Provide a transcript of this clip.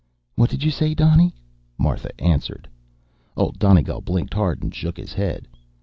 "What did you say, Donny?" Martha answered. Old Donegal blinked hard and shook his head.